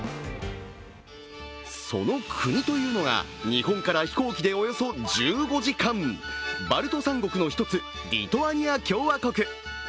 その国というのが、日本から飛行機でおよそ１５時間、バルト三国の１つ、リトアニア共和国。